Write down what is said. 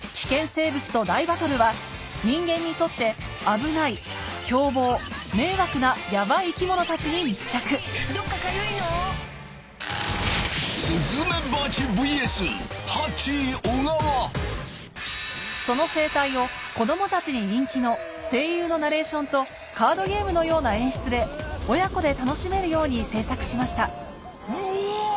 生物と大バトル』は人間にとって危ない凶暴迷惑なヤバイ生き物たちに密着その生態を子供たちに人気の声優のナレーションとカードゲームのような演出で親子で楽しめるように制作しましたうぉ！